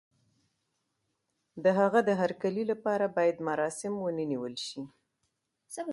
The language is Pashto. د هغه د هرکلي لپاره بايد مراسم ونه نيول شي.